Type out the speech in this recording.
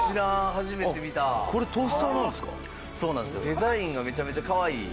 デザインがめちゃめちゃかわいい。